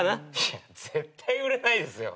いや絶対売れないですよ。